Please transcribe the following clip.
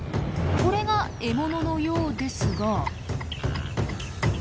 これが獲物のようですが。